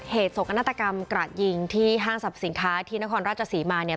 โศกนาฏกรรมกระดยิงที่ห้างสรรพสินค้าที่นครราชศรีมาเนี่ย